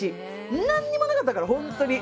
何にもなかったから本当に。